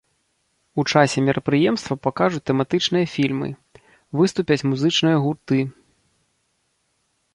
У часе мерапрыемства пакажуць тэматычныя фільмы, выступяць музычныя гурты.